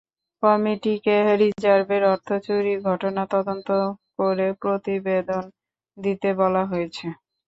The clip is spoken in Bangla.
কমিটিকে রিজার্ভের অর্থ চুরির ঘটনা তদন্ত করে প্রতিবেদন দিতে বলা হয়েছে।